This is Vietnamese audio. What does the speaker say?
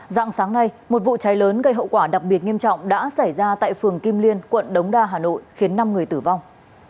dạng sáng nay một vụ cháy lớn gây hậu quả đặc biệt nghiêm trọng đã xảy ra tại phường kim liên quận đống đa hà nội khiến năm người tử vong